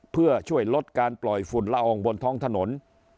เพื่อช่วยลดการปล่อยฝุ่นละอองบนท้องถนน